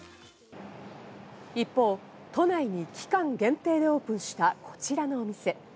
一方、都内に期間限定でオープンした、こちらのお店。